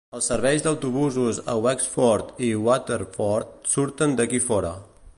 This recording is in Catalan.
Els serveis d"autobusos a Wexford i Waterford surten d"aquí fora.